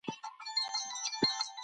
د درملو تاریخ باید تېر نه وي.